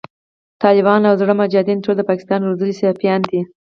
ټالبان او زاړه مجایدین ټول د پاکستان روزلی سفیان دی